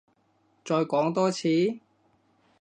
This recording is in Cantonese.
再講多次？